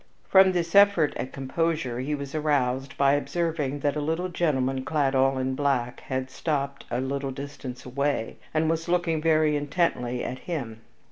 From this effort at composure he was aroused by observing that a little gentleman clad all in black had stopped at a little distance away and was looking very intently at him.